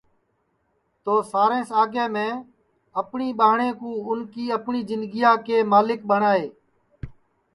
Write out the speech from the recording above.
تو سارے سے آگے میں اپٹؔی ٻہاٹؔیں کُو اُن کی اپٹؔی جِندگیا کے ملک ٹھائے